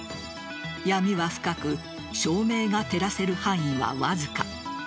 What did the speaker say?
闇は深く照明が照らせる範囲はわずか。